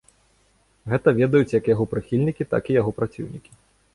Гэта ведаюць як яго прыхільнікі, так і яго праціўнікі.